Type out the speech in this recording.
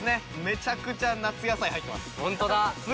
めちゃくちゃ夏野菜入ってます。